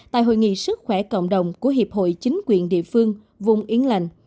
tại hội nghị sức khỏe cộng đồng của hiệp hội chính quyền địa phương vùng england